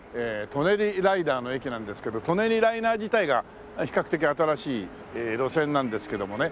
舎人ライナーの駅なんですけど舎人ライナー自体が比較的新しい路線なんですけどもね。